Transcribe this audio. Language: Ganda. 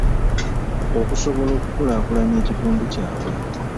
Okusobola okukulaakulanya ekitundu kyabwe.